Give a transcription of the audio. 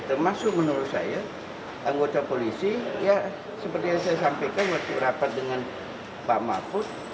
termasuk menurut saya anggota polisi ya seperti yang saya sampaikan waktu rapat dengan pak mahfud